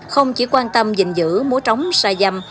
không chỉ quan tâm giữ mua trống xà dầm